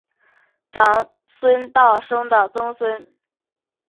长孙道生的曾孙。